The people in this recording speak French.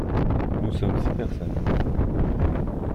Nous sommes six personnes.